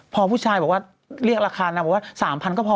พอผู้ชายบอกว่าเรียกราคานะ๓๐๐๐ก็พอ